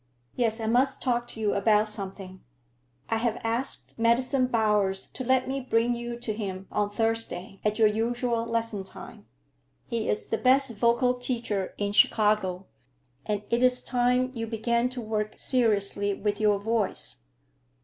"Yes, I must talk to you about something. I have asked Madison Bowers to let me bring you to him on Thursday, at your usual lesson time. He is the best vocal teacher in Chicago, and it is time you began to work seriously with your voice."